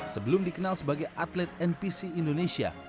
sebelum dikenal sebagai atlet npc indonesia